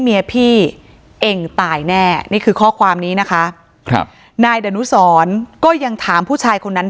เมียพี่เองตายแน่นี่คือข้อความนี้นะคะครับนายดนุสรก็ยังถามผู้ชายคนนั้น